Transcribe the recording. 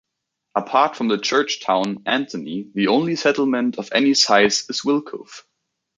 Apart from the church town, Antony, the only settlement of any size is Wilcove.